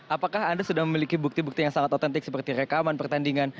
apakah anda sudah memiliki bukti bukti yang sangat otentik seperti rekaman pertandingan